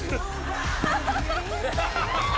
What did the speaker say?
「ハハハッ！」